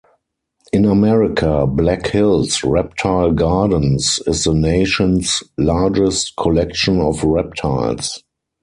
In America, Black Hills Reptile Gardens is the nation's largest collection of reptiles.